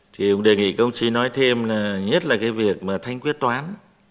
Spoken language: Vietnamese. thì đề nghị công chí nói thêm là nhất là cái việc mà thanh quyết toán